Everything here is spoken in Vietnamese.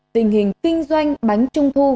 tình hình kinh doanh bánh trung thu